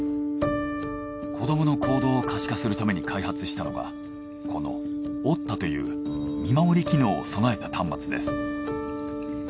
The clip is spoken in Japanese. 子どもの行動を可視化するために開発したのがこのｏｔｔａという見守り機能を備えた端末です。